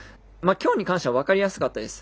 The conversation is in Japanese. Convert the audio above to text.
きょうに関しては分かりやすかったです。